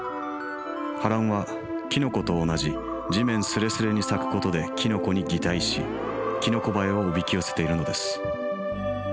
ハランはキノコと同じ地面すれすれに咲くことでキノコに擬態しキノコバエをおびき寄せているのです。